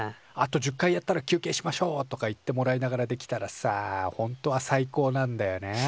「あと１０回やったら休けいしましょう」とか言ってもらいながらできたらさほんとは最高なんだよね。